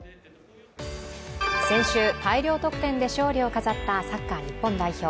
先週、大量得点で勝利を飾ったサッカー日本代表。